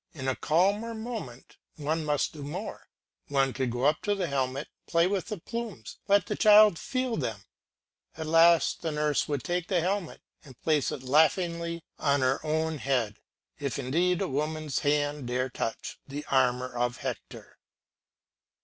In a calmer moment one would do more; one would go up to the helmet, play with the plumes, let the child feel them; at last the nurse would take the helmet and place it laughingly on her own head, if indeed a woman's hand dare touch the armour of Hector.